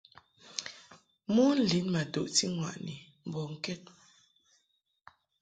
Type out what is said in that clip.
Mon lin ma duʼti ŋwaʼni mbɔŋkɛd.